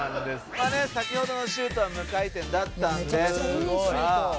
「まあね先ほどのシュートは無回転だったんですが」